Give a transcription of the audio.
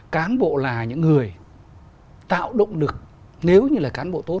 cán bộ là những người tạo động lực nếu như là cán bộ tốt